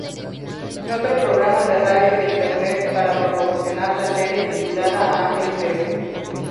Otro programa de radio de Internet para promocionar la serie titulada "Angel Beats!